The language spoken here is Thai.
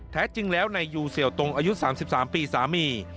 แท้จริงแล้วนายยูเสี่ยวตรงอายุ๓๓ปีสามี